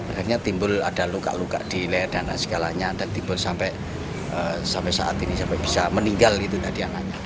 akhirnya timbul ada luka luka di leher dan segalanya dan timbul sampai saat ini sampai bisa meninggal itu tadi anaknya